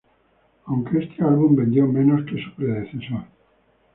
Aunque este álbum vendió menos que su predecesor.